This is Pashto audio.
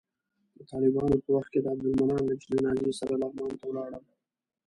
د طالبانو په وخت کې د عبدالمنان له جنازې سره لغمان ته ولاړم.